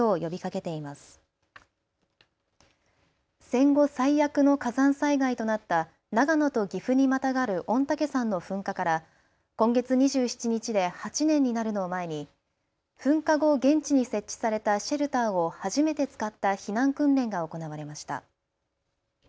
戦後最悪の火山災害となった長野と岐阜にまたがる御嶽山の噴火から今月２７日で８年になるのを前に噴火後、現地に設置されたシェルターを初めて使った避難訓練が行われました。